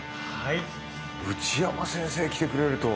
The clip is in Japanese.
内山先生来てくれるとは。